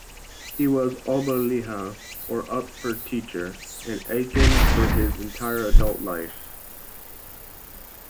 He was Oberlehrer, or upper teacher, in Aachen for his entire adult life.